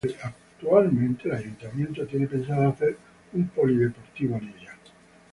Actualmente el Ayuntamiento tiene pensado hacer un polideportivo en ella.